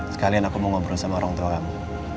sekalian aku mau ngobrol sama orang tua kamu